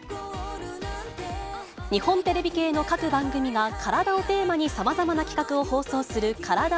日本テレビ系の各番組が、カラダをテーマにさまざまな企画を放送するカラダ